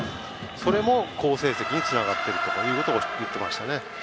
それも好成績につながっているということを言っていましたね。